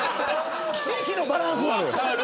奇跡のバランスなのよ。